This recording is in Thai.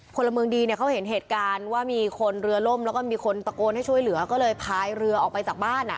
พลเมืองดีเนี่ยเขาเห็นเหตุการณ์ว่ามีคนเรือล่มแล้วก็มีคนตะโกนให้ช่วยเหลือก็เลยพายเรือออกไปจากบ้านอ่ะ